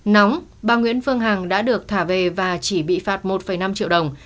nóng bà nguyễn phương hằng đã được thả về và chỉ bị phạt một năm triệu đồng